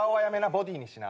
ボディーにしな。